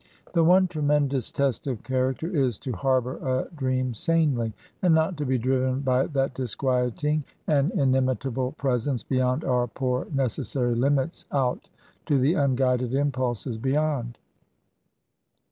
The one tremendous test of character is to harbour a dream sanely, and not to be driven by that disquieting and inimitable presence beyond our poor necessary limits out to the unguided impulses beyond.